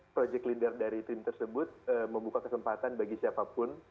project leader dari tim tersebut membuka kesempatan bagi siapapun